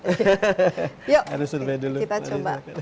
harus survei dulu yuk kita coba